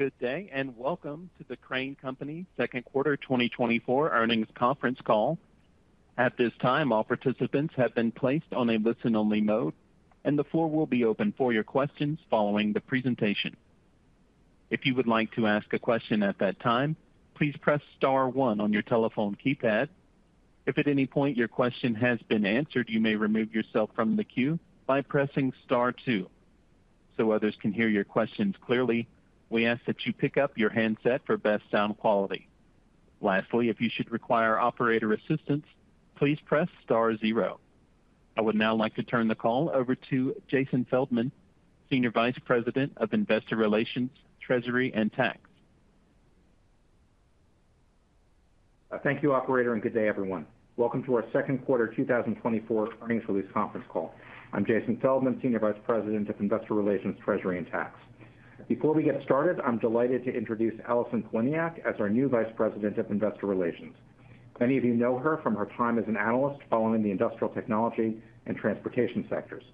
Good day, and welcome to the Crane Company second quarter 2024 earnings conference call. At this time, all participants have been placed on a listen-only mode, and the floor will be open for your questions following the presentation. If you would like to ask a question at that time, please press Star 1 on your telephone keypad. If at any point your question has been answered, you may remove yourself from the queue by pressing Star 2. So others can hear your questions clearly, we ask that you pick up your handset for best sound quality. Lastly, if you should require operator assistance, please press Star 0. I would now like to turn the call over to Jason Feldman, Senior Vice President of Investor Relations, Treasury, and Tax. Thank you, Operator, and good day, everyone. Welcome to our Q2 2024 earnings release conference call. I'm Jason Feldman, Senior Vice President of Investor Relations, Treasury, and Tax. Before we get started, I'm delighted to introduce Allison Poliniak as our new Vice President of Investor Relations. Many of you know her from her time as an analyst following the industrial technology and transportation sectors.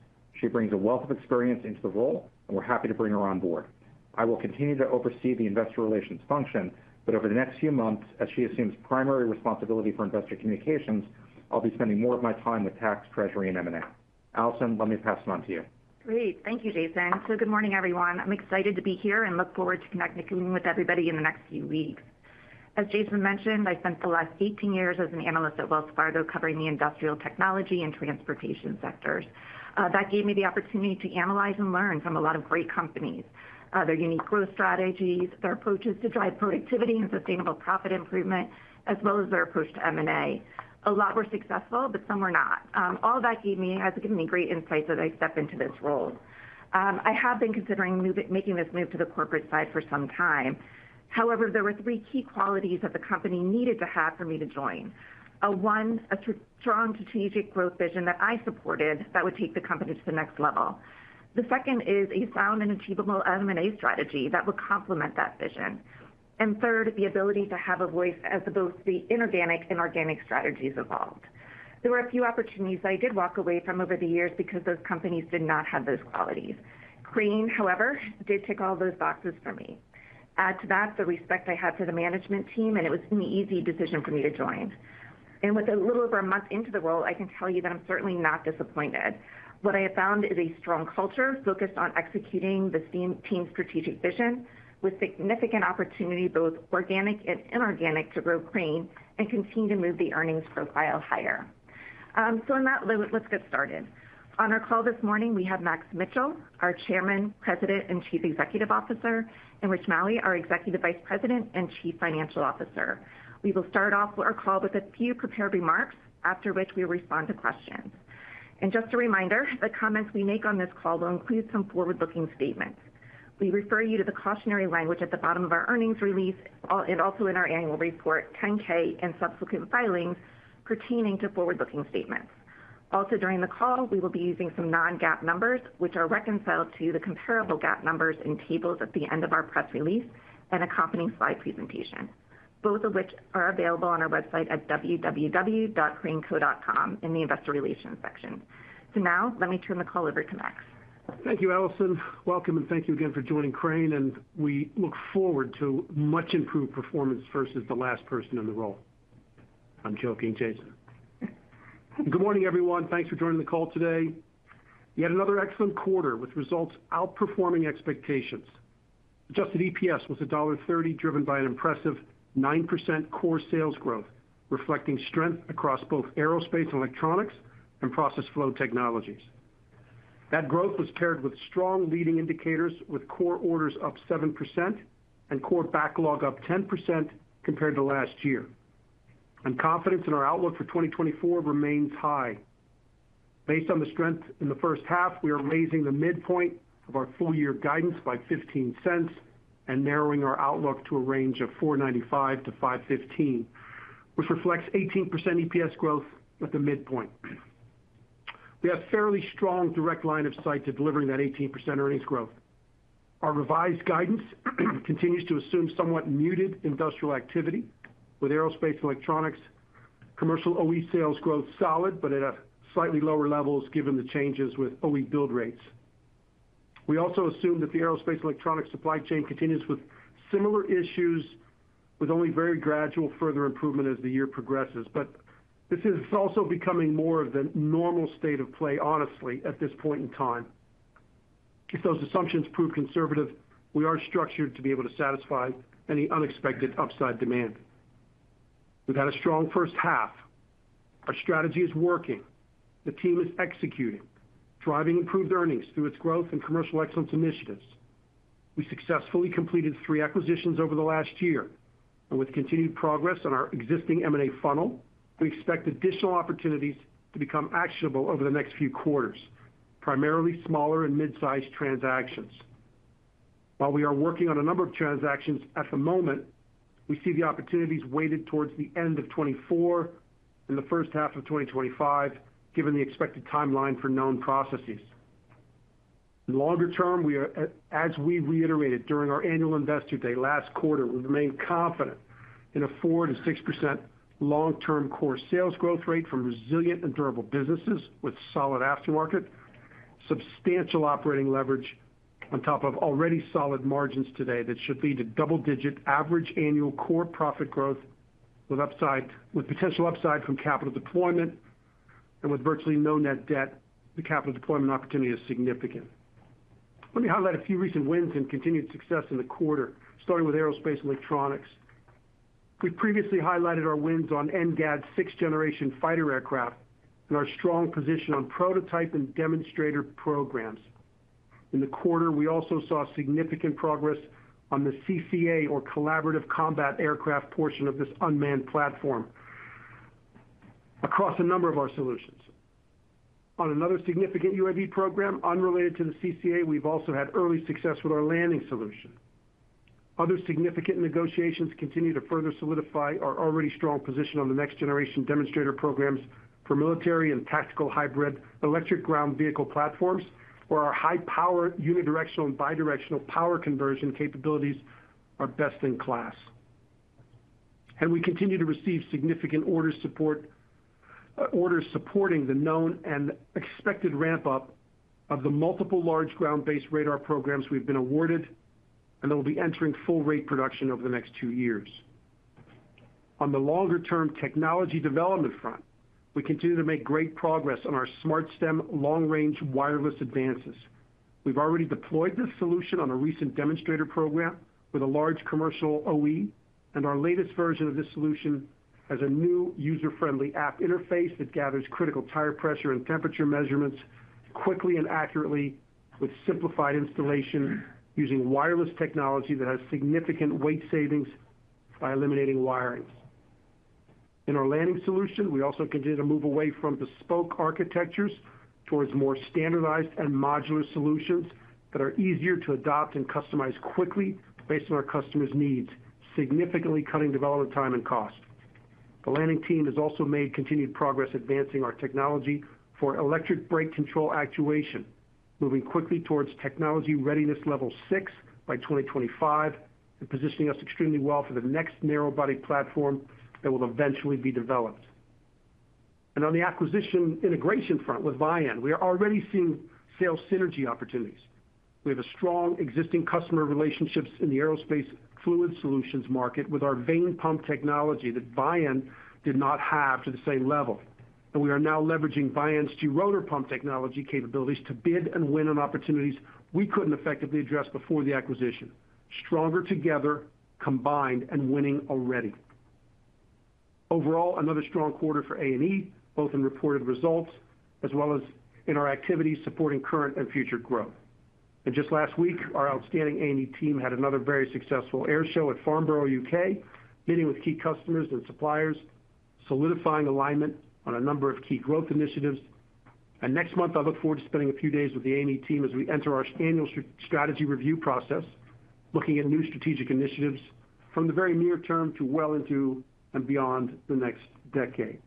She brings a wealth of experience into the role, and we're happy to bring her on board. I will continue to oversee the investor relations function, but over the next few months, as she assumes primary responsibility for investor communications, I'll be spending more of my time with Tax, Treasury, and M&A. Allison, let me pass it on to you. Great. Thank you, Jason. So, good morning, everyone. I'm excited to be here and look forward to connecting with everybody in the next few weeks. As Jason mentioned, I spent the last 18 years as an analyst at Wells Fargo covering the industrial technology and transportation sectors. That gave me the opportunity to analyze and learn from a lot of great companies, their unique growth strategies, their approaches to drive productivity and sustainable profit improvement, as well as their approach to M&A. A lot were successful, but some were not. All of that has given me great insights as I step into this role. I have been considering making this move to the corporate side for some time. However, there were three key qualities that the company needed to have for me to join. One, a strong strategic growth vision that I supported that would take the company to the next level. The second is a sound and achievable M&A strategy that would complement that vision. And third, the ability to have a voice as opposed to the inorganic and organic strategies involved. There were a few opportunities I did walk away from over the years because those companies did not have those qualities. Crane, however, did tick all those boxes for me. Add to that the respect I had for the management team, and it was an easy decision for me to join. And with a little over a month into the role, I can tell you that I'm certainly not disappointed. What I have found is a strong culture focused on executing the team's strategic vision with significant opportunity, both organic and inorganic, to grow Crane and continue to move the earnings profile higher. So, on that, let's get started. On our call this morning, we have Max Mitchell, Our Chairman, President, and Chief Executive Officer, and Rich Maue, Our Executive Vice President and Chief Financial Officer. We will start off our call with a few prepared remarks, after which we will respond to questions. And just a reminder, the comments we make on this call will include some forward-looking statements. We refer you to the cautionary language at the bottom of our earnings release and also in our annual report, 10-K and subsequent filings pertaining to forward-looking statements. Also, during the call, we will be using some non-GAAP numbers, which are reconciled to the comparable GAAP numbers in tables at the end of our press release and accompanying slide presentation, both of which are available on our website at www.craneco.com in the Investor Relations section. Now, let me turn the call over to Max. Thank you, Allison. Welcome, and thank you again for joining Crane, and we look forward to much improved performance versus the last person in the role. I'm joking, Jason. Good morning, everyone. Thanks for joining the call today. Yet another excellent quarter with results outperforming expectations. Adjusted EPS was $1.30, driven by an impressive 9% core sales growth, reflecting strength across both Aerospace and Electronics and Process Flow Technologies. That growth was paired with strong leading indicators, with core orders up 7% and core backlog up 10% compared to last year. Confidence in our outlook for 2024 remains high. Based on the strength in the first half, we are raising the midpoint of our full-year guidance by $0.15 and narrowing our outlook to a range of $4.95-$5.15, which reflects 18% EPS growth at the midpoint. We have fairly strong direct line of sight to delivering that 18% earnings growth. Our revised guidance continues to assume somewhat muted industrial activity with aerospace and electronics. Commercial OE sales growth solid, but at slightly lower levels given the changes with OE build rates. We also assume that the aerospace and electronics supply chain continues with similar issues, with only very gradual further improvement as the year progresses. But this is also becoming more of the normal state of play, honestly, at this point in time. If those assumptions prove conservative, we are structured to be able to satisfy any unexpected upside demand. We've had a strong H1. Our strategy is working. The team is executing, driving improved earnings through its growth and commercial excellence initiatives. We successfully completed three acquisitions over the last year. With continued progress on our existing M&A funnel, we expect additional opportunities to become actionable over the next few quarters, primarily smaller and mid-sized transactions. While we are working on a number of transactions at the moment, we see the opportunities weighted towards the end of 2024 and the H1 of 2025, given the expected timeline for known processes. In the longer term, we are, as we reiterated during our annual investor day, last quarter, we remain confident in a 4%-6% long-term core sales growth rate from resilient and durable businesses with solid aftermarket, substantial operating leverage on top of already solid margins today that should lead to double-digit average annual core profit growth with potential upside from capital deployment. With virtually no net debt, the capital deployment opportunity is significant. Let me highlight a few recent wins and continued success in the quarter, starting with Aerospace and Electronics. We previously highlighted our wins on NGAD 6th generation fighter aircraft and our strong position on prototype and demonstrator programs. In the quarter, we also saw significant progress on the CCA, or Collaborative Combat Aircraft portion of this unmanned platform, across a number of our solutions. On another significant UAV program unrelated to the CCA, we've also had early success with our landing solution. Other significant negotiations continue to further solidify our already strong position on the next generation demonstrator programs for military and tactical hybrid electric ground vehicle platforms, where our high-power unidirectional and bidirectional power conversion capabilities are best in class. We continue to receive significant orders supporting the known and expected ramp-up of the multiple large ground-based radar programs we've been awarded, and that will be entering full-rate production over the next two years. On the longer-term technology development front, we continue to make great progress on our SmartStem long-range wireless advances. We've already deployed this solution on a recent demonstrator program with a large commercial OE, and our latest version of this solution has a new user-friendly app interface that gathers critical tire pressure and temperature measurements quickly and accurately, with simplified installation using wireless technology that has significant weight savings by eliminating wiring. In our landing solution, we also continue to move away from bespoke architectures towards more standardized and modular solutions that are easier to adopt and customize quickly based on our customers' needs, significantly cutting development time and cost. The landing team has also made continued progress advancing our technology for electric brake control actuation, moving quickly towards technology readiness level six by 2025, and positioning us extremely well for the next narrow-body platform that will eventually be developed. On the acquisition integration front with Vian, we are already seeing sales synergy opportunities. We have strong existing customer relationships in the aerospace fluid solutions market with our vane pump technology that Vian did not have to the same level. And we are now leveraging Vian's Gerotor pump technology capabilities to bid and win on opportunities we couldn't effectively address before the acquisition. Stronger together, combined, and winning already. Overall, another strong quarter for A&E, both in reported results as well as in our activities supporting current and future growth. Just last week, our outstanding A&E team had another very successful air show at Farnborough, UK, meeting with key customers and suppliers, solidifying alignment on a number of key growth initiatives. Next month, I look forward to spending a few days with the A&E team as we enter our annual strategy review process, looking at new strategic initiatives from the very near term to well into and beyond the next decade.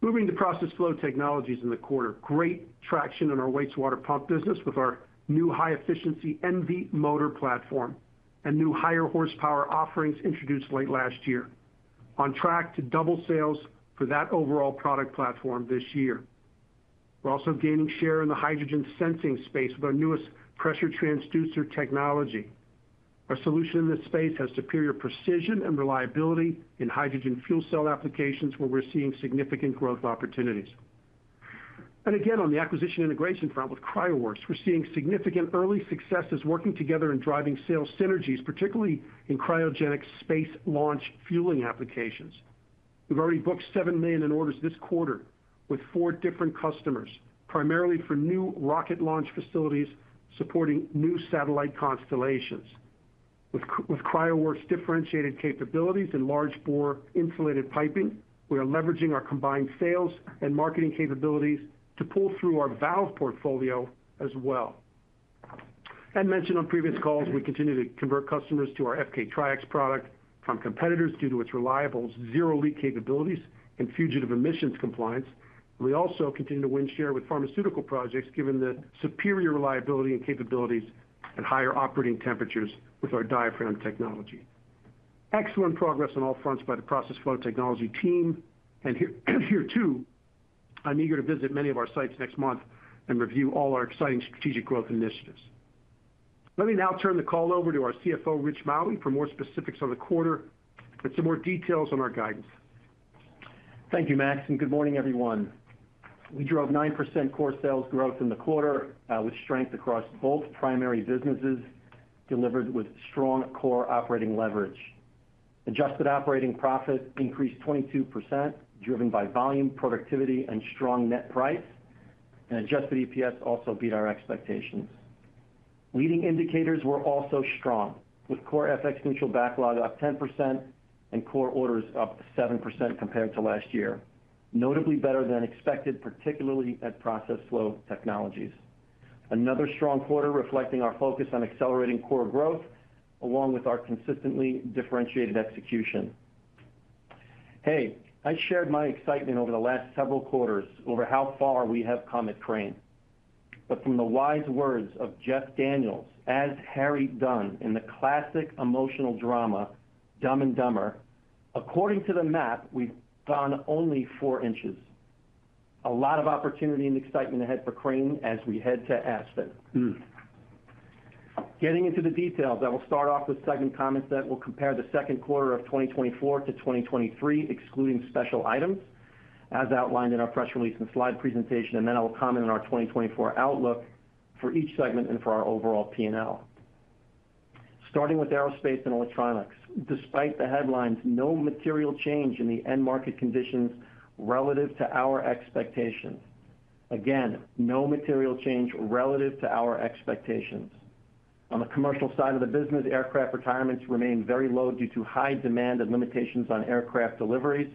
Moving to Process Flow Technologies in the quarter, great traction in our wastewater pump business with our new high-efficiency Envie motor platform and new higher horsepower offerings introduced late last year. On track to double sales for that overall product platform this year. We're also gaining share in the hydrogen sensing space with our newest pressure transducer technology. Our solution in this space has superior precision and reliability in hydrogen fuel cell applications, where we're seeing significant growth opportunities. Again, on the acquisition integration front with CryoWorks, we're seeing significant early successes working together in driving sales synergies, particularly in cryogenic space launch fueling applications. We've already booked $7 million in orders this quarter with four different customers, primarily for new rocket launch facilities supporting new satellite constellations. With CryoWorks' differentiated capabilities in large bore insulated piping, we are leveraging our combined sales and marketing capabilities to pull through our valve portfolio as well. As mentioned on previous calls, we continue to convert customers to our FK-TrieX product from competitors due to its reliable zero-leak capabilities and fugitive emissions compliance. We also continue to win share with pharmaceutical projects, given the superior reliability and capabilities at higher operating temperatures with our diaphragm technology. Excellent progress on all fronts by the process flow technology team. And here, too, I'm eager to visit many of our sites next month and review all our exciting strategic growth initiatives. Let me now turn the call over to our CFO, Rich Maue, for more specifics on the quarter and some more details on our guidance. Thank you, Max. Good morning, everyone. We drove 9% core sales growth in the quarter with strength across both primary businesses delivered with strong core operating leverage. Adjusted operating profit increased 22%, driven by volume, productivity, and strong net price. Adjusted EPS also beat our expectations. Leading indicators were also strong, with core FX neutral backlog up 10% and core orders up 7% compared to last year, notably better than expected, particularly at Process Flow Technologies. Another strong quarter reflecting our focus on accelerating core growth along with our consistently differentiated execution. Hey, I shared my excitement over the last several quarters over how far we have come at Crane. But from the wise words of Jeff Daniels, as Harry Dunn in the classic emotional drama, Dumb and Dumber, according to the map, we've gone only four inches. A lot of opportunity and excitement ahead for Crane as we head to Aspen. Getting into the details, I will start off with segment comments that will compare the Q2 of 2024 to 2023, excluding special items, as outlined in our press release and slide presentation. Then I will comment on our 2024 outlook for each segment and for our overall P&L. Starting with aerospace and electronics, despite the headlines, no material change in the end market conditions relative to our expectations. Again, no material change relative to our expectations. On the commercial side of the business, aircraft retirements remain very low due to high demand and limitations on aircraft deliveries,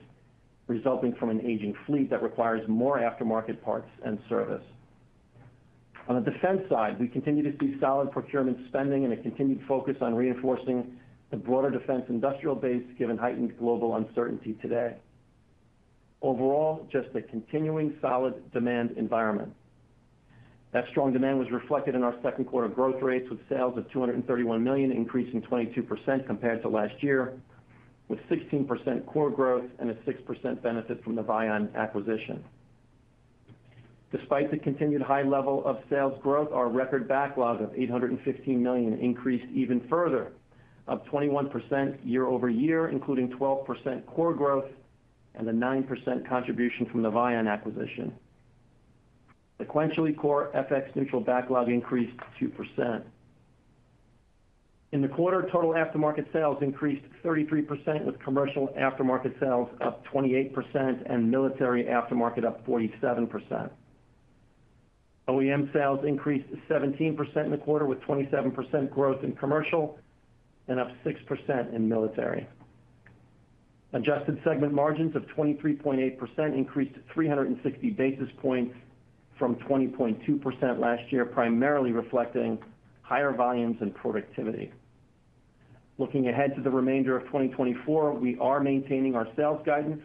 resulting from an aging fleet that requires more aftermarket parts and service. On the defense side, we continue to see solid procurement spending and a continued focus on reinforcing the broader defense industrial base, given heightened global uncertainty today. Overall, just a continuing solid demand environment. That strong demand was reflected in our Q2 growth rates, with sales of $231 million increasing 22% compared to last year, with 16% core growth and a 6% benefit from the Vian acquisition. Despite the continued high level of sales growth, our record backlog of $815 million increased even further, up 21% year-over-year, including 12% core growth and a 9% contribution from the Vian acquisition. Sequentially, core FX neutral backlog increased 2%. In the quarter, total aftermarket sales increased 33%, with commercial aftermarket sales up 28% and military aftermarket up 47%. OEM sales increased 17% in the quarter, with 27% growth in commercial and up 6% in military. Adjusted segment margins of 23.8% increased 360 basis points from 20.2% last year, primarily reflecting higher volumes and productivity. Looking ahead to the remainder of 2024, we are maintaining our sales guidance,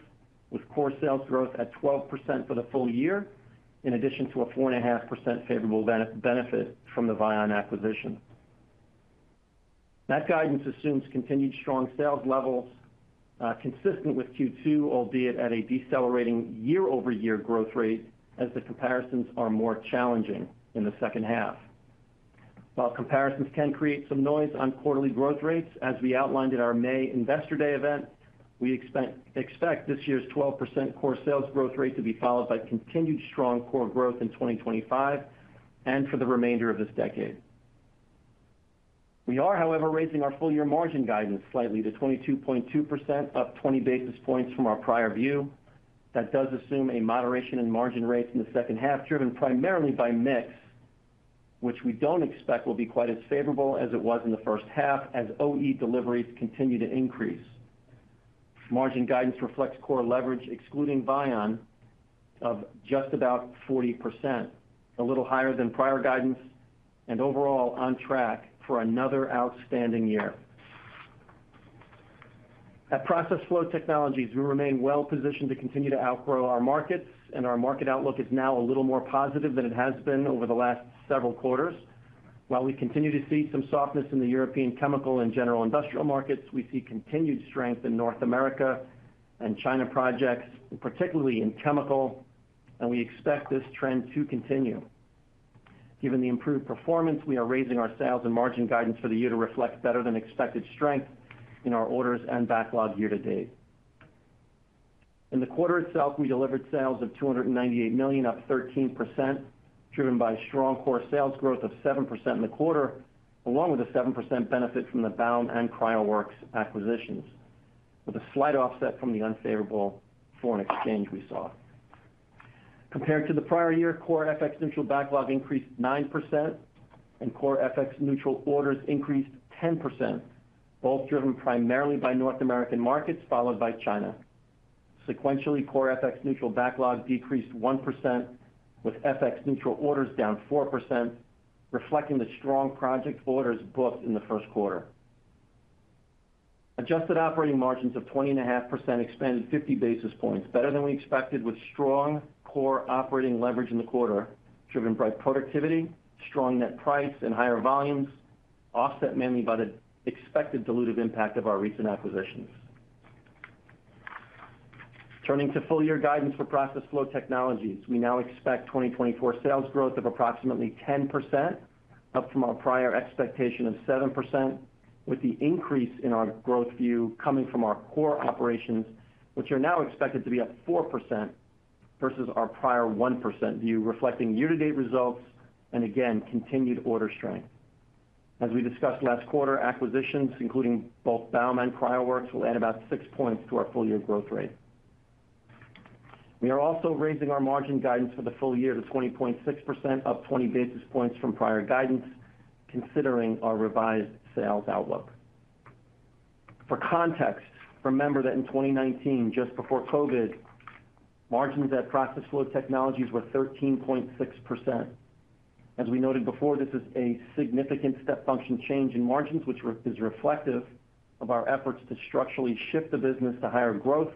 with core sales growth at 12% for the full year, in addition to a 4.5% favorable benefit from the Vian acquisition. That guidance assumes continued strong sales levels consistent with Q2, albeit at a decelerating year-over-year growth rate, as the comparisons are more challenging in the H2. While comparisons can create some noise on quarterly growth rates, as we outlined at our May Investor Day event, we expect this year's 12% core sales growth rate to be followed by continued strong core growth in 2025 and for the remainder of this decade. We are, however, raising our full-year margin guidance slightly to 22.2%, up 20 basis points from our prior view. That does assume a moderation in margin rates in the H2, driven primarily by mix, which we don't expect will be quite as favorable as it was in the H1, as OE deliveries continue to increase. Margin guidance reflects core leverage, excluding Vian, of just about 40%, a little higher than prior guidance, and overall on track for another outstanding year. At Process Flow Technologies, we remain well-positioned to continue to outgrow our markets, and our market outlook is now a little more positive than it has been over the last several quarters. While we continue to see some softness in the European chemical and general industrial markets, we see continued strength in North America and China projects, particularly in chemical, and we expect this trend to continue. Given the improved performance, we are raising our sales and margin guidance for the year to reflect better than expected strength in our orders and backlog year to date. In the quarter itself, we delivered sales of $298 million, up 13%, driven by strong core sales growth of 7% in the quarter, along with a 7% benefit from the Bound and CryoWorks acquisitions, with a slight offset from the unfavorable foreign exchange we saw. Compared to the prior year, core FX neutral backlog increased 9%, and core FX neutral orders increased 10%, both driven primarily by North American markets followed by China. Sequentially, core FX neutral backlog decreased 1%, with FX neutral orders down 4%, reflecting the strong project orders booked in the Q1. Adjusted operating margins of 20.5% expanded 50 basis points, better than we expected, with strong core operating leverage in the quarter, driven by productivity, strong net price, and higher volumes, offset mainly by the expected dilutive impact of our recent acquisitions. Turning to full-year guidance for Process Flow Technologies, we now expect 2024 sales growth of approximately 10%, up from our prior expectation of 7%, with the increase in our growth view coming from our core operations, which are now expected to be up 4% versus our prior 1% view, reflecting year-to-date results and, again, continued order strength. As we discussed last quarter, acquisitions, including both Bound and CryoWorks, will add about six points to our full-year growth rate. We are also raising our margin guidance for the full year to 20.6%, up 20 basis points from prior guidance, considering our revised sales outlook. For context, remember that in 2019, just before COVID, margins at Process Flow Technologies were 13.6%. As we noted before, this is a significant step function change in margins, which is reflective of our efforts to structurally shift the business to higher growth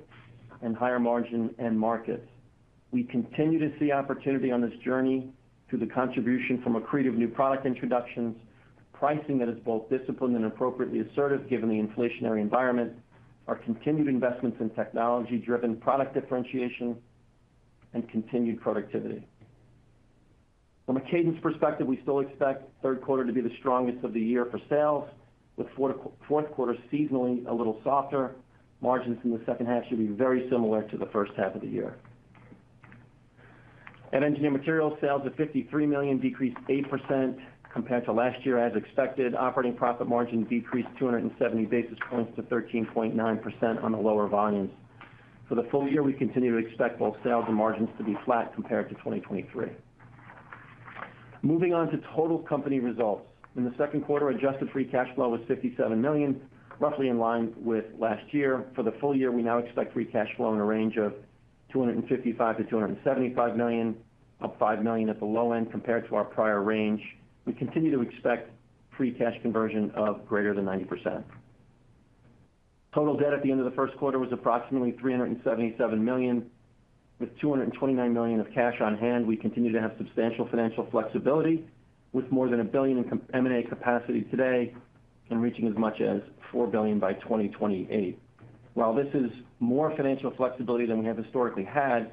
and higher margin and markets. We continue to see opportunity on this journey through the contribution from accretive new product introductions, pricing that is both disciplined and appropriately assertive, given the inflationary environment, our continued investments in technology-driven product differentiation, and continued productivity. From a cadence perspective, we still expect third quarter to be the strongest of the year for sales, with fourth quarter seasonally a little softer. Margins in the second half should be very similar to the first half of the year. At Engineered Materials, sales of $53 million decreased 8% compared to last year, as expected. Operating profit margin decreased 270 basis points to 13.9% on the lower volumes. For the full year, we continue to expect both sales and margins to be flat compared to 2023. Moving on to total company results. In the second quarter, Adjusted Free Cash Flow was $57 million, roughly in line with last year. For the full year, we now expect free cash flow in a range of $255 million-$275 million, up $5 million at the low end compared to our prior range. We continue to expect free cash conversion of greater than 90%. Total debt at the end of the first quarter was approximately $377 million. With $229 million of cash on hand, we continue to have substantial financial flexibility, with more than $1 billion in M&A capacity today and reaching as much as $4 billion by 2028. While this is more financial flexibility than we have historically had,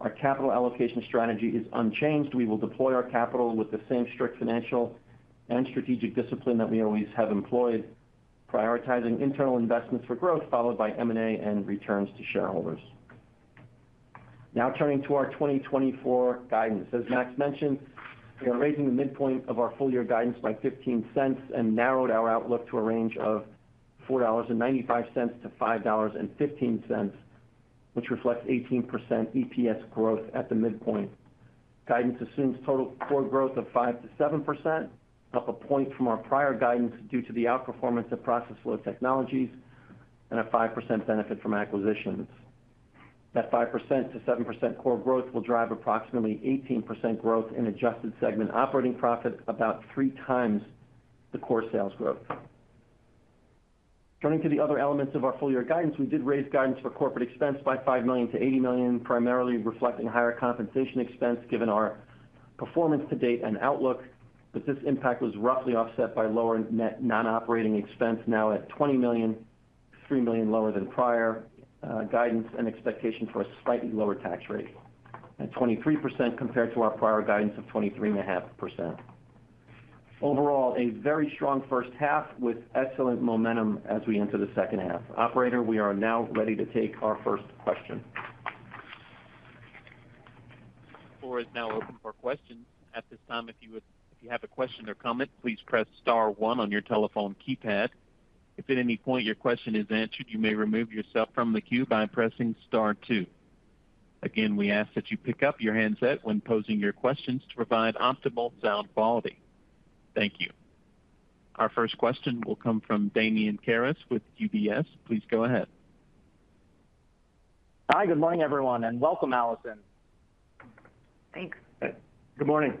our capital allocation strategy is unchanged. We will deploy our capital with the same strict financial and strategic discipline that we always have employed, prioritizing internal investments for growth, followed by M&A and returns to shareholders. Now turning to our 2024 guidance. As Max mentioned, we are raising the midpoint of our full-year guidance by $0.15 and narrowed our outlook to a range of $4.95-$5.15, which reflects 18% EPS growth at the midpoint. Guidance assumes total core growth of 5%-7%, up a point from our prior guidance due to the outperformance of Process Flow Technologies and a 5% benefit from acquisitions. That 5%-7% core growth will drive approximately 18% growth in adjusted segment operating profit, about three times the core sales growth. Turning to the other elements of our full-year guidance, we did raise guidance for corporate expense by $5 million to $80 million, primarily reflecting higher compensation expense, given our performance to date and outlook. But this impact was roughly offset by lower net non-operating expense, now at $20 million, $3 million lower than prior guidance and expectation for a slightly lower tax rate, at 23% compared to our prior guidance of 23.5%. Overall, a very strong H1 with excellent momentum as we enter the H2. Operator, we are now ready to take our first question. The floor is now open for questions. At this time, if you have a question or comment, please press star one on your telephone keypad. If at any point your question is answered, you may remove yourself from the queue by pressing star two. Again, we ask that you pick up your handset when posing your questions to provide optimal sound quality. Thank you. Our first question will come from Damian Karas with UBS. Please go ahead. Hi, good morning, everyone, and welcome, Allison. Thanks. Good morning.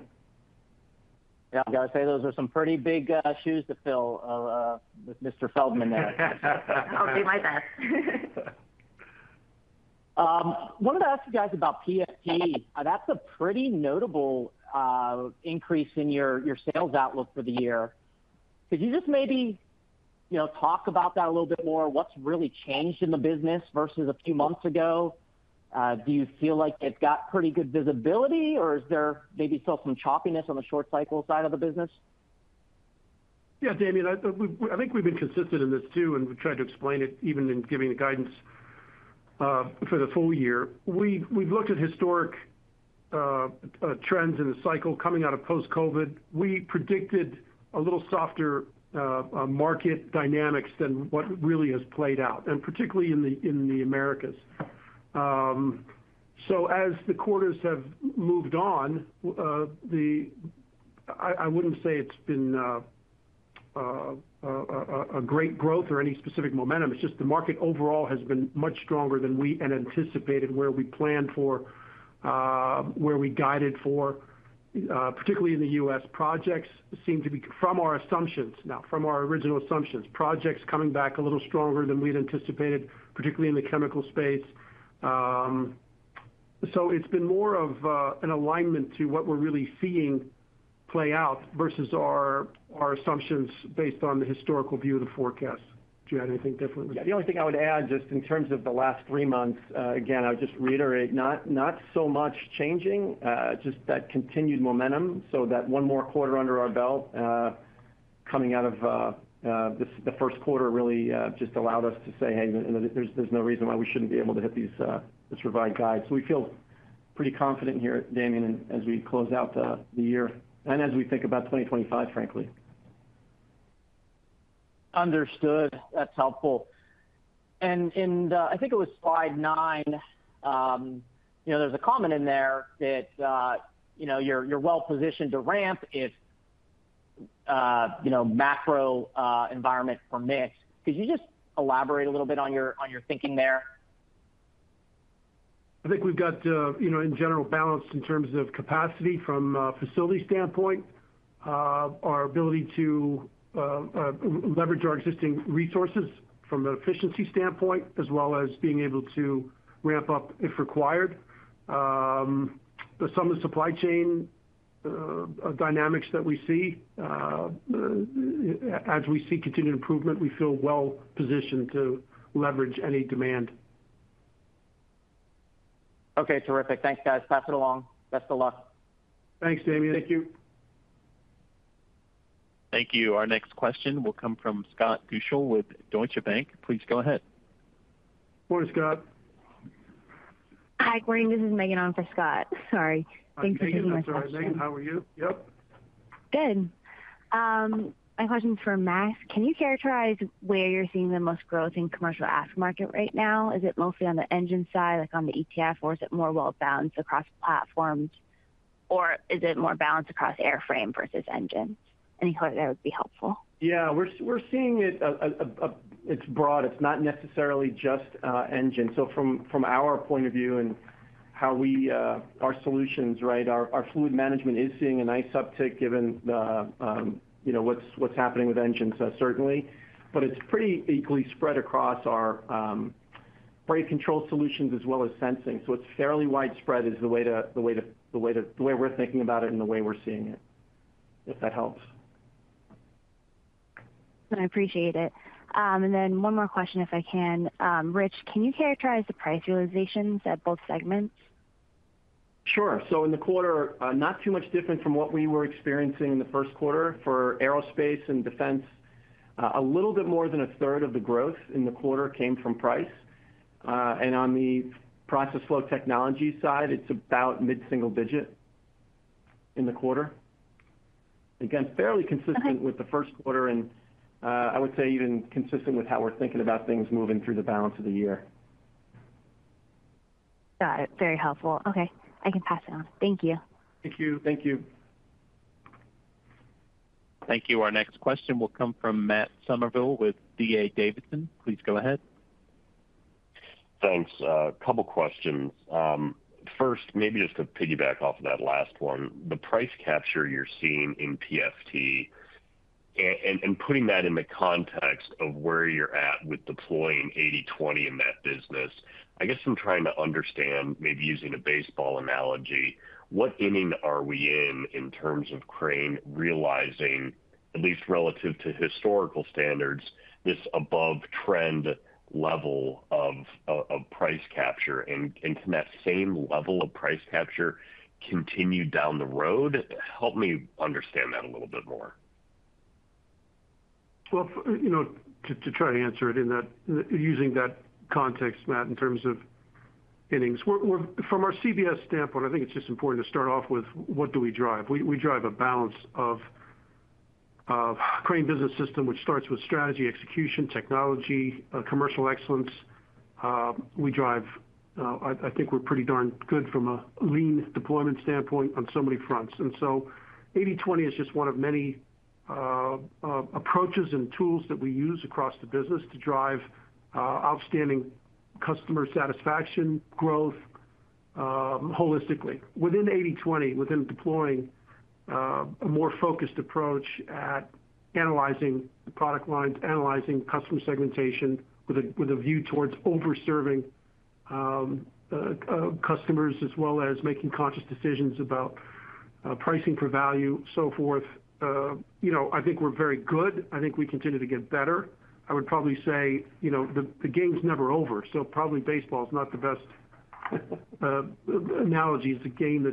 Yeah, I got to say, those are some pretty big shoes to fill with Mr. Feldman there. I'll do my best. I wanted to ask you guys about P&P. That's a pretty notable increase in your sales outlook for the year. Could you just maybe talk about that a little bit more? What's really changed in the business versus a few months ago? Do you feel like it's got pretty good visibility, or is there maybe still some choppiness on the short-cycle side of the business? Yeah, Damian, I think we've been consistent in this too, and we've tried to explain it even in giving the guidance for the full year. We've looked at historic trends in the cycle coming out of post-COVID. We predicted a little softer market dynamics than what really has played out, and particularly in the Americas. So as the quarters have moved on, I wouldn't say it's been a great growth or any specific momentum. It's just the market overall has been much stronger than we had anticipated, where we planned for, where we guided for. Particularly in the U.S., projects seem to be, from our assumptions now, from our original assumptions, projects coming back a little stronger than we had anticipated, particularly in the chemical space. So it's been more of an alignment to what we're really seeing play out versus our assumptions based on the historical view of the forecast. Do you have anything different? Yeah, the only thing I would add, just in terms of the last three months, again, I would just reiterate, not so much changing, just that continued momentum. So that one more quarter under our belt coming out of the Q1 really just allowed us to say, "Hey, there's no reason why we shouldn't be able to hit this revised guide." So we feel pretty confident here, Damian, as we close out the year and as we think about 2025, frankly. Understood. That's helpful. And I think it was slide nine, there's a comment in there that you're well-positioned to ramp if macro environment permits. Could you just elaborate a little bit on your thinking there? I think we've got, in general, balanced in terms of capacity from a facility standpoint, our ability to leverage our existing resources from an efficiency standpoint, as well as being able to ramp up if required. Some of the supply chain dynamics that we see, as we see continued improvement, we feel well-positioned to leverage any demand. Okay, terrific. Thanks, guys. Pass it along. Best of luck. Thanks, Damien. Thank you. Thank you. Our next question will come from Scott Deuschle with Deutsche Bank. Please go ahead. Morning, Scott. Hi, Corey. This is Megan on for Scott. Sorry. Thanks for taking my question. Hi, Megan. How are you? Yep. Good. My question's for Max. Can you characterize where you're seeing the most growth in the commercial asset market right now? Is it mostly on the engine side, like on the ETF, or is it more well-balanced across platforms, or is it more balanced across airframe versus engine? Any clue that would be helpful? Yeah, we're seeing it's broad. It's not necessarily just engine. So from our point of view and how our solutions, right, our fluid management is seeing a nice uptick given what's happening with engines, certainly. But it's pretty equally spread across our brake control solutions as well as sensing. So it's fairly widespread as the way we're thinking about it and the way we're seeing it, if that helps. I appreciate it. And then one more question, if I can. Rich, can you characterize the price realizations at both segments? Sure. So in the quarter, not too much different from what we were experiencing in the first quarter for aerospace and defense. A little bit more than a third of the growth in the quarter came from price. And on the process flow technology side, it's about mid-single digit in the quarter. Again, fairly consistent with the Q1, and I would say even consistent with how we're thinking about things moving through the balance of the year. Got it. Very helpful. Okay. I can pass it on. Thank you. Thank you. Thank you. Thank you. Our next question will come from Matt Summerville with D.A. Davidson. Please go ahead. Thanks. A couple of questions. First, maybe just to piggyback off of that last one, the price capture you're seeing in PFT and putting that in the context of where you're at with deploying 80/20 in that business, I guess I'm trying to understand, maybe using a baseball analogy, what inning are we in in terms of Crane realizing, at least relative to historical standards, this above-trend level of price capture? And can that same level of price capture continue down the road? Help me understand that a little bit more. Well, to try to answer it using that context, Matt, in terms of innings, from our CBS standpoint, I think it's just important to start off with what do we drive? We drive a balance of Crane Business System, which starts with strategy, execution, technology, commercial excellence. We drive, I think we're pretty darn good from a lean deployment standpoint on so many fronts. And so 80/20 is just one of many approaches and tools that we use across the business to drive outstanding customer satisfaction growth holistically. Within 80/20, within deploying a more focused approach at analyzing product lines, analyzing customer segmentation with a view towards overserving customers, as well as making conscious decisions about pricing for value, so forth, I think we're very good. I think we continue to get better. I would probably say the game's never over. So probably baseball is not the best analogy. It's a game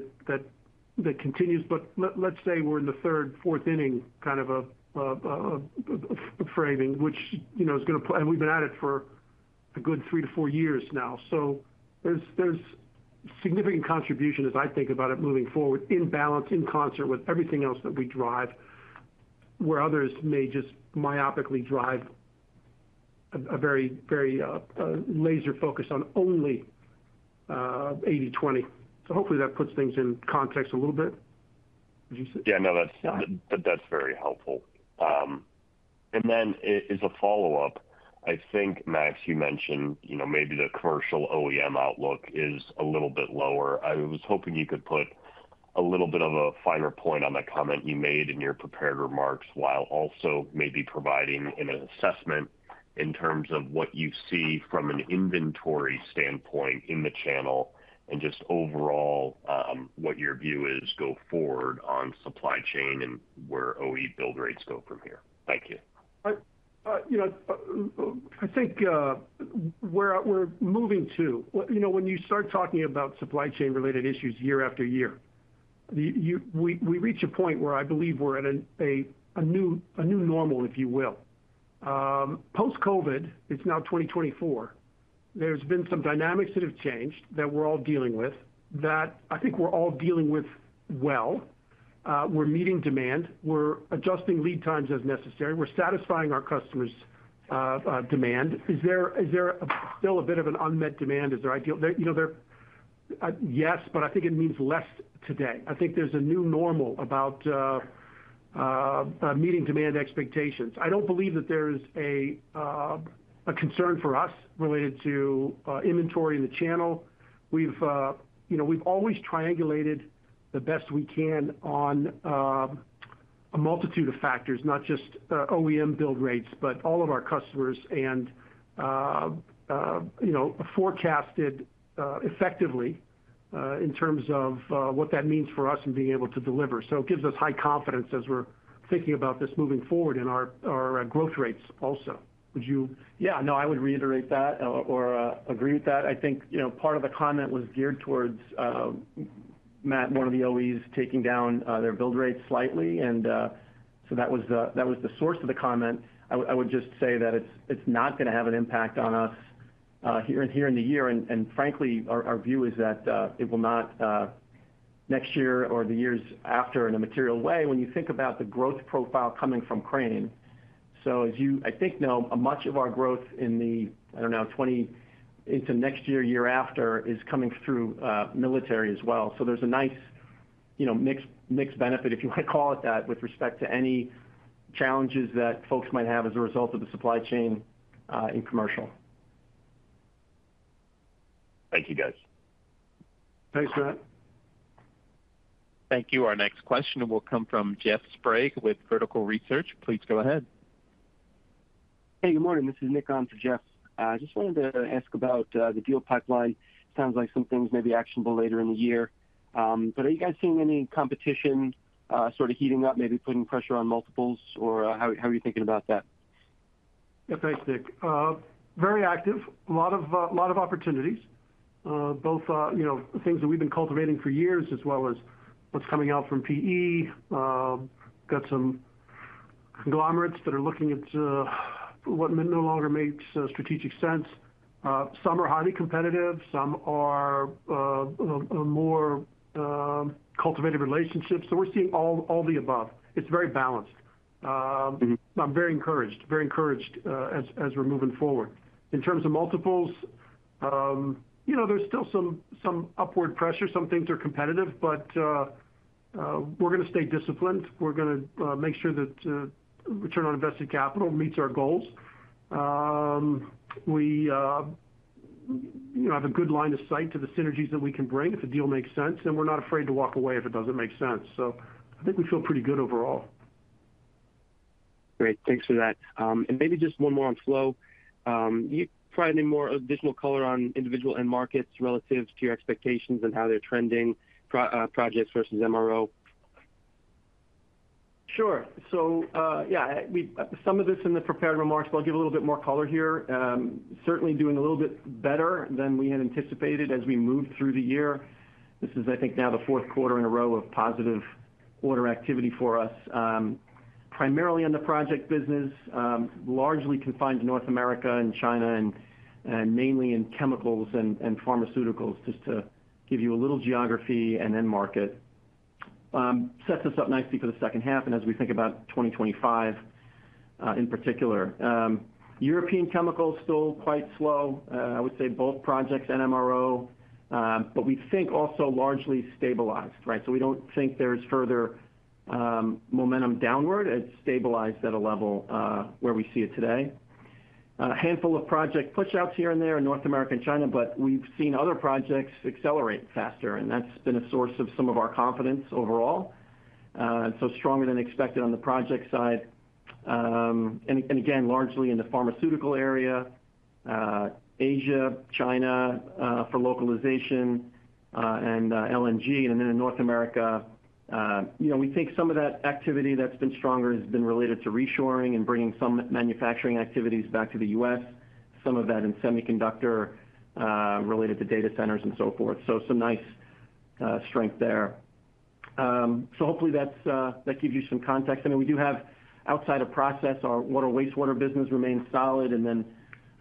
that continues. But let's say we're in the third, fourth inning kind of a framing, which is going to play, and we've been at it for a good 3-4 years now. So there's significant contribution, as I think about it, moving forward in balance, in concert with everything else that we drive, where others may just myopically drive a very laser-focused on only 80/20. So hopefully that puts things in context a little bit. Yeah, no, that's very helpful. And then as a follow-up, I think, Max, you mentioned maybe the commercial OEM outlook is a little bit lower. I was hoping you could put a little bit of a finer point on the comment you made in your prepared remarks while also maybe providing an assessment in terms of what you see from an inventory standpoint in the channel and just overall what your view is going forward on supply chain and where OE build rates go from here. Thank you. All right. I think we're moving to, when you start talking about supply chain-related issues year after year, we reach a point where I believe we're at a new normal, if you will. Post-COVID, it's now 2024. There's been some dynamics that have changed that we're all dealing with that I think we're all dealing with well. We're meeting demand. We're adjusting lead times as necessary. We're satisfying our customers' demand. Is there still a bit of an unmet demand? Is there ideal? Yes, but I think it means less today. I think there's a new normal about meeting demand expectations. I don't believe that there is a concern for us related to inventory in the channel. We've always triangulated the best we can on a multitude of factors, not just OEM build rates, but all of our customers and forecasted effectively in terms of what that means for us and being able to deliver. So it gives us high confidence as we're thinking about this moving forward in our growth rates also. Would you? Yeah, no, I would reiterate that or agree with that. I think part of the comment was geared towards Matt, one of the OEMs, taking down their build rates slightly. And so that was the source of the comment. I would just say that it's not going to have an impact on us here and here in the year. And frankly, our view is that it will not next year or the years after in a material way when you think about the growth profile coming from Crane. So as you, I think, know, much of our growth in the, I don't know, 20 into next year, year after, is coming through military as well. So there's a nice mixed benefit, if you want to call it that, with respect to any challenges that folks might have as a result of the supply chain in commercial. Thank you, guys. Thanks, Matt. Thank you. Our next question will come from Jeff Sprague with Vertical Research Partners. Please go ahead. Hey, good morning. This is Nick on for Jeff. I just wanted to ask about the deal pipeline. Sounds like some things may be actionable later in the year. But are you guys seeing any competition sort of heating up, maybe putting pressure on multiples, or how are you thinking about that? Yeah, thanks, Nick. Very active. A lot of opportunities, both things that we've been cultivating for years as well as what's coming out from PE. Got some conglomerates that are looking at what no longer makes strategic sense. Some are highly competitive. Some are more cultivated relationships. So we're seeing all the above. It's very balanced. I'm very encouraged, very encouraged as we're moving forward. In terms of multiples, there's still some upward pressure. Some things are competitive, but we're going to stay disciplined. We're going to make sure that return on invested capital meets our goals. We have a good line of sight to the synergies that we can bring if the deal makes sense, and we're not afraid to walk away if it doesn't make sense. So I think we feel pretty good overall. Great. Thanks for that. And maybe just one more on flow. You provide any more additional color on individual end markets relative to your expectations and how they're trending, projects versus MRO? Sure. So yeah, some of this in the prepared remarks, but I'll give a little bit more color here. Certainly doing a little bit better than we had anticipated as we moved through the year. This is, I think, now the Q4 in a row of positive order activity for us, primarily in the project business, largely confined to North America and China and mainly in chemicals and pharmaceuticals, just to give you a little geography and end market. Sets us up nicely for the H2 and as we think about 2025 in particular. European chemicals still quite slow, I would say both projects and MRO, but we think also largely stabilized, right? So we don't think there's further momentum downward. It's stabilized at a level where we see it today. A handful of project push-outs here and there in North America and China, but we've seen other projects accelerate faster, and that's been a source of some of our confidence overall. So stronger than expected on the project side. And again, largely in the pharmaceutical area, Asia, China for localization, and LNG, and then in North America. We think some of that activity that's been stronger has been related to reshoring and bringing some manufacturing activities back to the U.S., some of that in semiconductor related to data centers and so forth. So some nice strength there. So hopefully that gives you some context. I mean, we do have outside of process, our water wastewater business remains solid, and then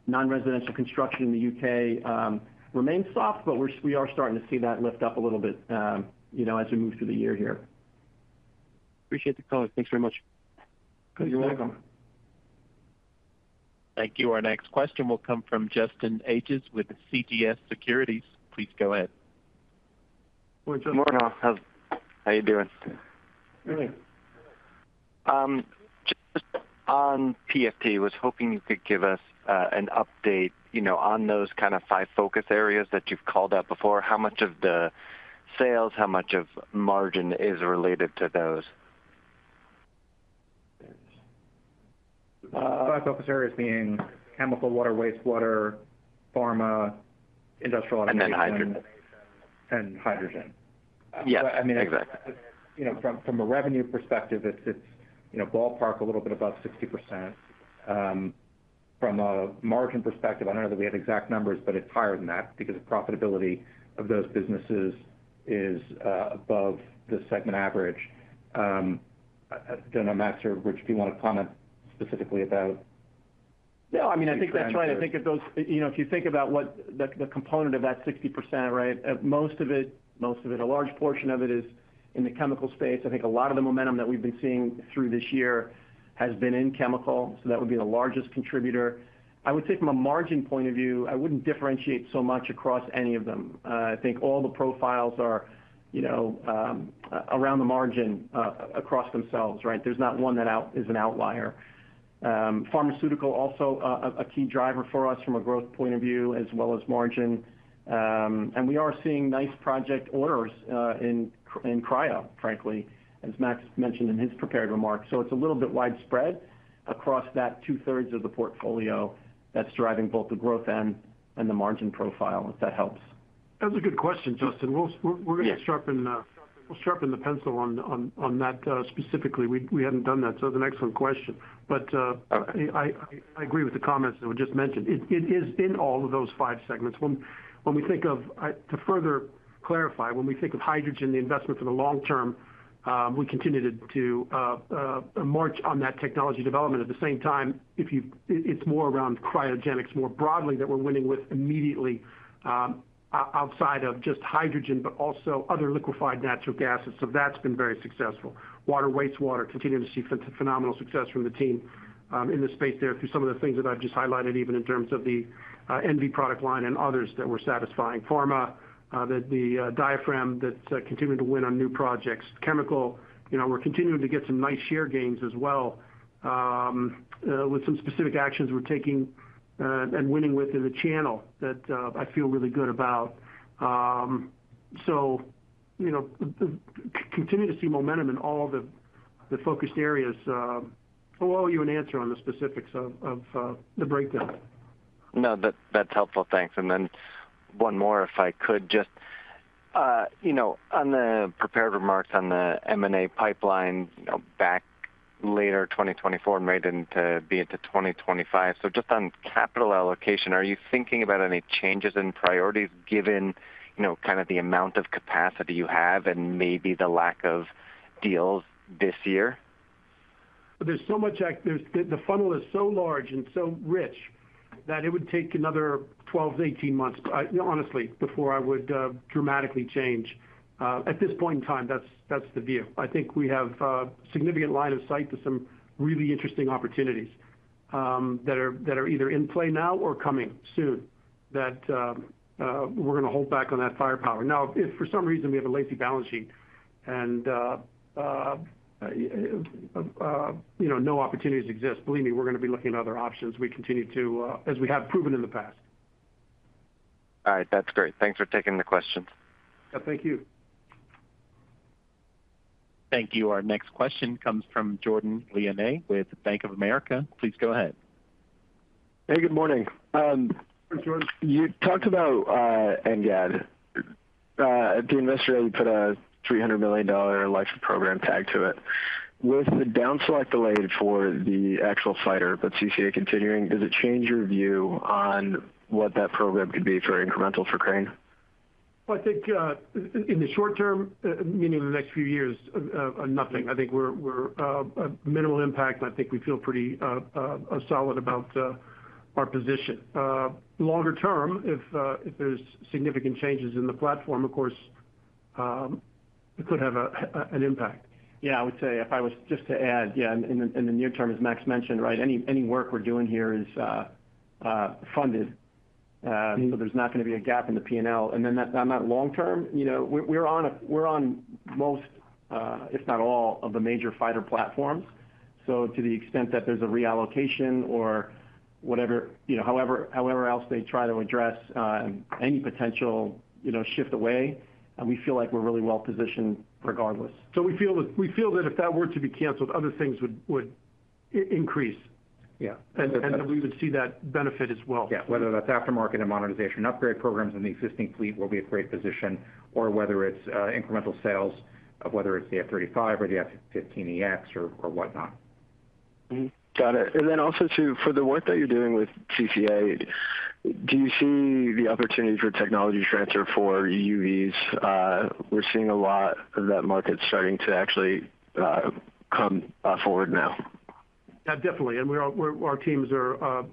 non-residential construction in the U.K. remains soft, but we are starting to see that lift up a little bit as we move through the year here. Appreciate the call. Thanks very much. You're welcome. Thank you. Our next question will come from Justin Ages with CJS Securities. Please go ahead. Morning, Justin. How are you doing? Good. Just on PFT, I was hoping you could give us an update on those kind of five focus areas that you've called out before. How much of the sales, how much of margin is related to those? Five focus areas being chemical, water, wastewater, pharma, industrial automation. And then hydrogen. And hydrogen. Yeah. I mean, from a revenue perspective, it's ballpark a little bit above 60%. From a margin perspective, I don't know that we have exact numbers, but it's higher than that because the profitability of those businesses is above the segment average. I don't know, Max, or Rich, if you want to comment specifically about. No, I mean, I think that's right. I think if those if you think about what the component of that 60%, right, most of it, a large portion of it is in the chemical space. I think a lot of the momentum that we've been seeing through this year has been in chemical. So that would be the largest contributor. I would say from a margin point of view, I wouldn't differentiate so much across any of them. I think all the profiles are around the margin across themselves, right? There's not one that is an outlier. Pharmaceutical, also a key driver for us from a growth point of view, as well as margin. And we are seeing nice project orders in Cryo, frankly, as Max mentioned in his prepared remarks. So it's a little bit widespread across that two-thirds of the portfolio that's driving both the growth and the margin profile, if that helps. That's a good question, Justin. We're going to sharpen the pencil on that specifically. We haven't done that. So that's an excellent question. But I agree with the comments that were just mentioned. It is in all of those five segments. When we think of, to further clarify, when we think of hydrogen, the investment for the long term, we continue to march on that technology development. At the same time, it's more around cryogenics more broadly that we're winning with immediately outside of just hydrogen, but also other liquefied natural gases. So that's been very successful. Water, wastewater, continuing to see phenomenal success from the team in the space there through some of the things that I've just highlighted, even in terms of the NV product line and others that were satisfying. Pharma, the diaphragm that's continuing to win on new projects. Chemical, we're continuing to get some nice share gains as well with some specific actions we're taking and winning with in the channel that I feel really good about. So continue to see momentum in all the focused areas. I'll owe you an answer on the specifics of the breakdown. No, that's helpful. Thanks. And then one more, if I could, just on the prepared remarks on the M&A pipeline back later 2024 and right into be into 2025. So just on capital allocation, are you thinking about any changes in priorities given kind of the amount of capacity you have and maybe the lack of deals this year? There's so much active. The funnel is so large and so rich that it would take another 12-18 months, honestly, before I would dramatically change. At this point in time, that's the view. I think we have a significant line of sight to some really interesting opportunities that are either in play now or coming soon that we're going to hold back on that firepower. Now, if for some reason we have a lazy balance sheet and no opportunities exist, believe me, we're going to be looking at other options we continue to, as we have proven in the past. All right. That's great. Thanks for taking the question. Thank you. Thank you. Our next question comes from Jordan Liyanage with Bank of America. Please go ahead. Hey, good morning. You talked about NGAD. The investor already put a $300 million lifetime program tag to it. With the down select delayed for the actual fighter, but CCA continuing, does it change your view on what that program could be for incremental for Crane? Well, I think in the short term, meaning the next few years, nothing. I think we're a minimal impact. I think we feel pretty solid about our position. Longer term, if there's significant changes in the platform, of course, it could have an impact. Yeah, I would say if I was just to add, yeah, in the near term, as Max mentioned, right, any work we're doing here is funded. So there's not going to be a gap in the P&L. And then on that long term, we're on most, if not all, of the major fighter platforms. So to the extent that there's a reallocation or whatever, however else they try to address any potential shift away, we feel like we're really well positioned regardless. We feel that if that were to be canceled, other things would increase. Yeah. We would see that benefit as well. Yeah. Whether that's aftermarket and modernization upgrade programs in the existing fleet where we have great position, or whether it's incremental sales of whether it's the F-35 or the F-15EX or whatnot. Got it. And then also too, for the work that you're doing with CCA, do you see the opportunity for technology transfer for EVs? We're seeing a lot of that market starting to actually come forward now. Definitely. Our teams are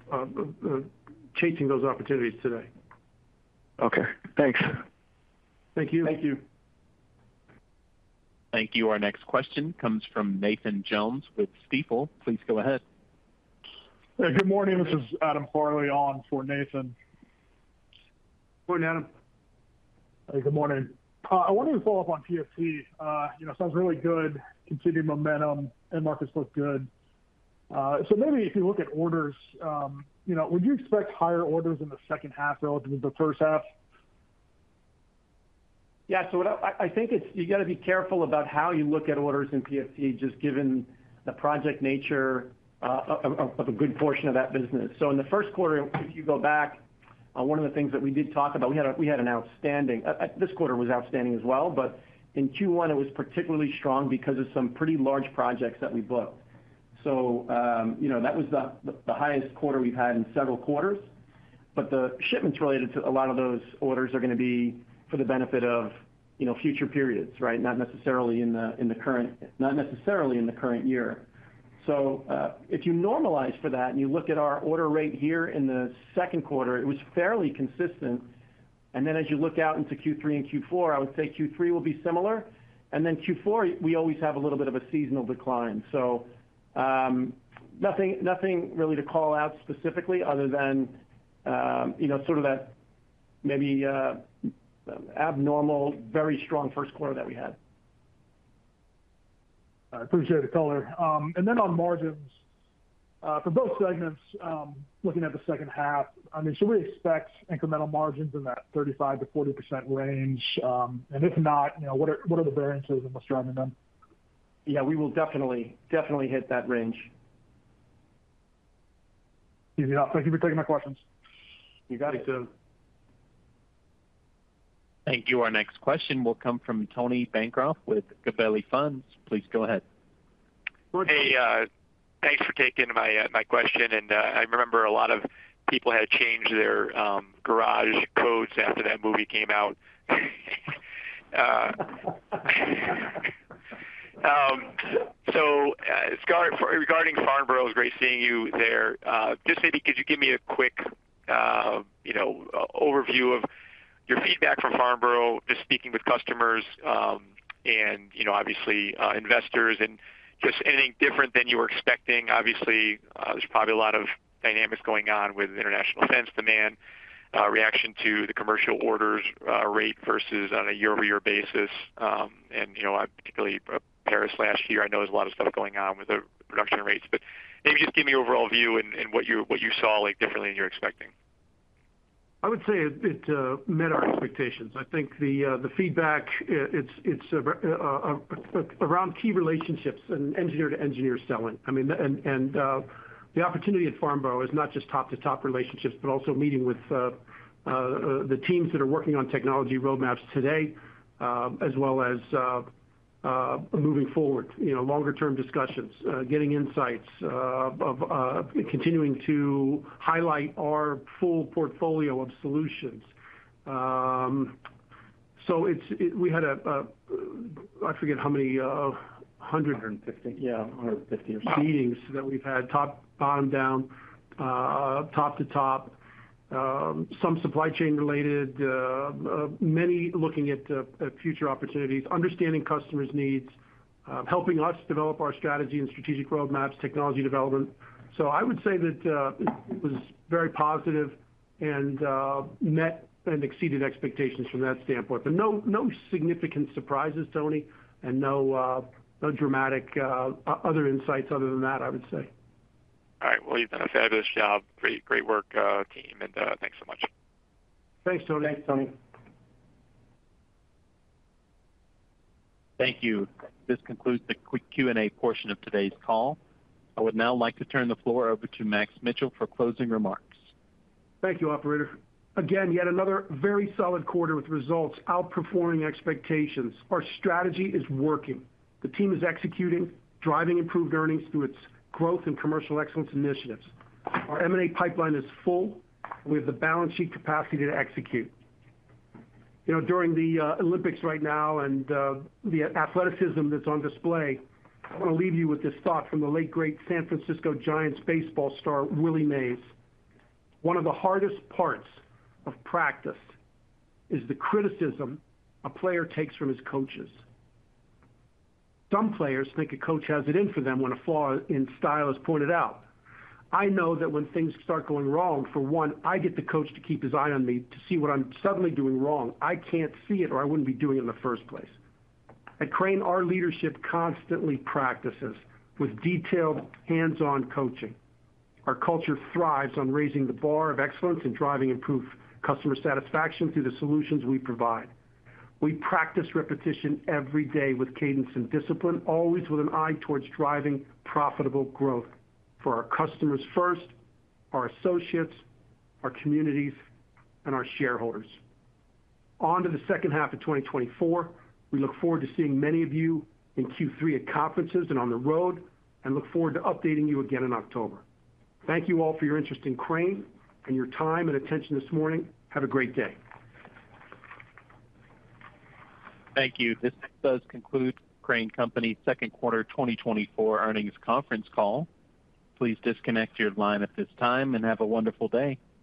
chasing those opportunities today. Okay. Thanks. Thank you. Thank you. Thank you. Our next question comes from Nathan Jones with Stifel. Please go ahead. Good morning. This is Adam Farley on for Nathan. Morning, Adam. Good morning. I wanted to follow up on PFT. Sounds really good. Continued momentum. End markets look good. So maybe if you look at orders, would you expect higher orders in the H2 relative to the H1? Yeah. So I think you got to be careful about how you look at orders in PFT, just given the project nature of a good portion of that business. So in the Q1, if you go back, one of the things that we did talk about, we had outstanding orders. This quarter was outstanding as well, but in Q1, it was particularly strong because of some pretty large projects that we booked. So that was the highest quarter we've had in several quarters. But the shipments related to a lot of those orders are going to be for the benefit of future periods, right? Not necessarily in the current year. So if you normalize for that and you look at our order rate here in the Q2, it was fairly consistent. Then as you look out into Q3 and Q4, I would say Q3 will be similar. Then Q4, we always have a little bit of a seasonal decline. Nothing really to call out specifically other than sort of that maybe abnormal, very strong Q1 that we had. I appreciate the color. Then on margins, for both segments, looking at the H2, I mean, should we expect incremental margins in that 35%-40% range? And if not, what are the variances and what's driving them? Yeah, we will definitely hit that range. Easy enough. Thank you for taking my questions. You got it, Joe. Thank you. Our next question will come from Tony Bancroft with Gabelli Funds. Please go ahead. Hey, thanks for taking my question. And I remember a lot of people had changed their garage codes after that movie came out. So regarding Farnborough, it was great seeing you there. Just maybe, could you give me a quick overview of your feedback from Farnborough, just speaking with customers and obviously investors, and just anything different than you were expecting? Obviously, there's probably a lot of dynamics going on with international defense demand, reaction to the commercial orders rate versus on a year-over-year basis. And particularly Paris last year, I know there's a lot of stuff going on with the production rates. But maybe just give me an overall view and what you saw differently than you were expecting. I would say it met our expectations. I think the feedback, it's around key relationships and engineer-to-engineer selling. I mean, and the opportunity at Farnborough is not just top-to-top relationships, but also meeting with the teams that are working on technology roadmaps today, as well as moving forward, longer-term discussions, getting insights, continuing to highlight our full portfolio of solutions. So we had a, I forget how many hundred. 150. Yeah, 150 or so. Meetings that we've had, top-down, bottom-up, top-to-top, some supply chain related, many looking at future opportunities, understanding customers' needs, helping us develop our strategy and strategic roadmaps, technology development. So I would say that it was very positive and met and exceeded expectations from that standpoint. But no significant surprises, Tony, and no dramatic other insights other than that, I would say. All right. Well, you've done a fabulous job. Great work, team. Thanks so much. Thanks, Tony. Thanks, Tony. Thank you. This concludes the quick Q&A portion of today's call. I would now like to turn the floor over to Max Mitchell for closing remarks. Thank you, Operator. Again, yet another very solid quarter with results outperforming expectations. Our strategy is working. The team is executing, driving improved earnings through its growth and commercial excellence initiatives. Our M&A pipeline is full. We have the balance sheet capacity to execute. During the Olympics right now and the athleticism that's on display, I want to leave you with this thought from the late, great San Francisco Giants baseball star Willie Mays. One of the hardest parts of practice is the criticism a player takes from his coaches. Some players think a coach has it in for them when a flaw in style is pointed out. I know that when things start going wrong, for one, I get the coach to keep his eye on me to see what I'm suddenly doing wrong. I can't see it or I wouldn't be doing it in the first place. At Crane, our leadership constantly practices with detailed hands-on coaching. Our culture thrives on raising the bar of excellence and driving improved customer satisfaction through the solutions we provide. We practice repetition every day with cadence and discipline, always with an eye towards driving profitable growth for our customers first, our associates, our communities, and our shareholders. On to the H2 of 2024. We look forward to seeing many of you in Q3 at conferences and on the road and look forward to updating you again in October. Thank you all for your interest in Crane and your time and attention this morning. Have a great day. Thank you. This does conclude Crane Company's second quarter 2024 earnings conference call. Please disconnect your line at this time and have a wonderful day.